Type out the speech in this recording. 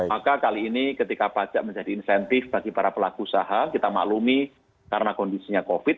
maka kali ini ketika pajak menjadi insentif bagi para pelaku usaha kita maklumi karena kondisinya covid